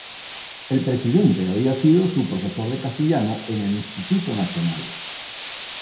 El presidente había sido su profesor de castellano en el Instituto Nacional.